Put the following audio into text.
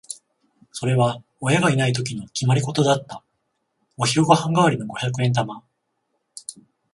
それは親がいないときの決まりごとだった。お昼ご飯代わりの五百円玉。